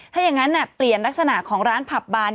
ถ้าอย่างนั้นเปลี่ยนลักษณะของร้านผับบาน